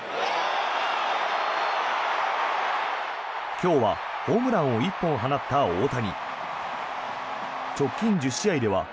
今日はホームランを１本放った大谷。